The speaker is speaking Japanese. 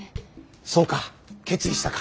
そうか決意したか。